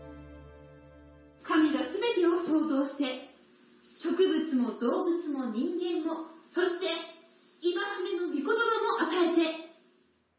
神がすべてを創造して植物も動物も人間もそして、戒めの御言葉も与えて。